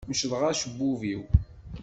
Mecḍeɣ acebbub-iw.